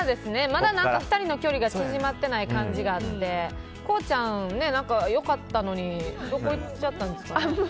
まだ２人の距離が縮まってない感じがあって航ちゃん、良かったのにどこいっちゃったんですかね。